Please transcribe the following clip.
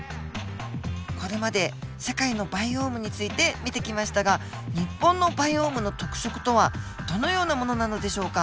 これまで世界のバイオームについて見てきましたが日本のバイオームの特色とはどのようなものなのでしょうか？